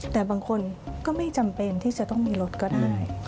แต่บางคนก็ไม่จำเป็นที่จะต้องมีรถก็ได้